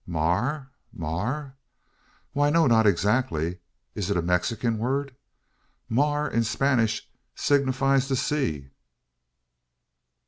"Ma a r ma a r! Why, no, not exactly. Is it a Mexican word? Mar in Spanish signifies the sea."